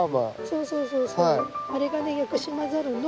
そうそうそうそう